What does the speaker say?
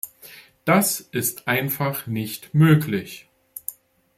Das ist einfach nicht möglich.